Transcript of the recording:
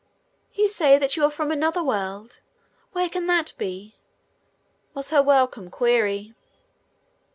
"You say that you are from another world. Where can that be?" was her welcome query.